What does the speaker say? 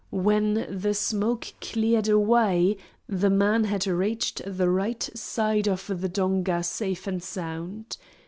When the smoke cleared away, the man had reached the right side of the donga safe and sound.